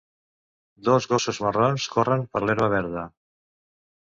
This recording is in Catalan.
Dos gossos marrons corren per l'herba verda.